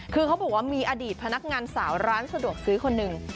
คือเขาบอกว่ามีอดีตพนักงานสาวร้านสะดวกซื้อคนหนึ่ง